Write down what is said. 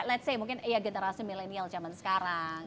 let s say mungkin generasi milenial zaman sekarang